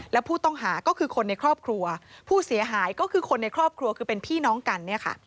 และผู้ต้องหาก็คือคนในครอบครัวผู้เสียหายก็คือคนในครอบครัวคือเป็นพี่น้องกันเนี่ยค่ะ